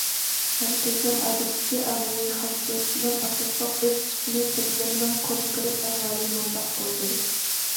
مەركەزنىڭ ئادەتتىكى ئاممىۋى خامچوتىنىڭ ئاساسلىق ئۆز چىقىمى تۈرلىرىنىڭ كونكرېت ئەھۋالى مۇنداق بولدى.